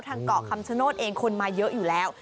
เกาะคำชโนธเองคนมาเยอะอยู่แล้ว